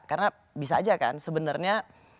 karena bisa aja kan sebenarnya